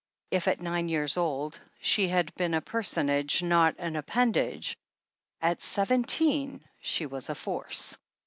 If at nine years old she had been a personage, not an appendage, at seventeen she was a force.